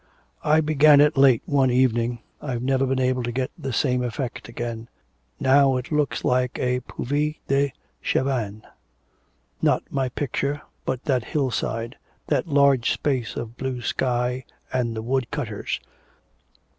'I began it late one evening. I've never been able to get the same effect again. Now it looks like a Puvis de Chavannes not my picture, but that hillside, that large space of blue sky and the wood cutters.'